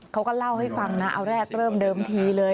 เขาก็เล่าให้ฟังนะเอาแรกเริ่มเดิมทีเลย